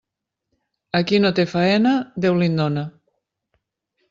A qui no té faena, Déu li'n dóna.